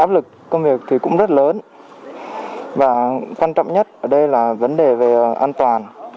áp lực công việc thì cũng rất lớn và quan trọng nhất ở đây là vấn đề về an toàn